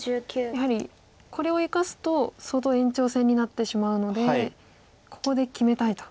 やはりこれを生かすと相当延長戦になってしまうのでここで決めたいと。